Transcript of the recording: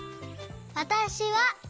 「わたしは」